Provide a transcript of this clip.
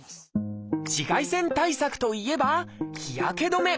紫外線対策といえば日焼け止め。